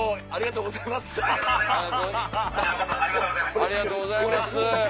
ありがとうございます。